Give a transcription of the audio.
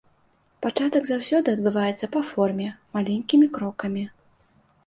Пачатак заўсёды адбываецца па форме, маленькімі крокамі.